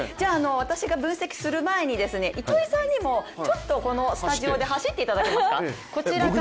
私が分析する前に、糸井さんにもちょっとこのスタジオで走っていただけますか？